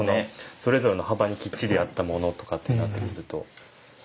それぞれの幅にきっちり合ったものとかってなってくると。